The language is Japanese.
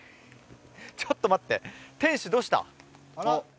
ちょっと待って天守どうした？